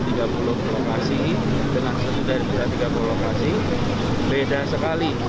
berlokasi dengan sudah berlokasi beda sekali